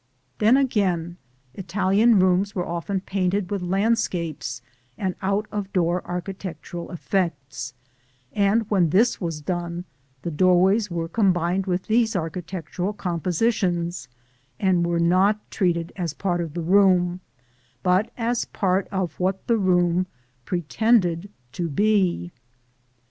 Then, again, Italian rooms were often painted with landscapes and out of door architectural effects, and when this was done the doorways were combined with these architectural compositions, and were not treated as part of the room, but as part of what the room pretended to be.